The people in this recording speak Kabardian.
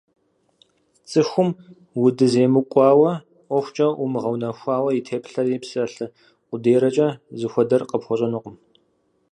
ЦӀыхум удыземыкӀуауэ, ӀуэхукӀэ умыгъэунэхуауэ, и теплъэрэ и псалъэ къудейрэкӀэ зыхуэдэр къыпхуэщӀэнукъым.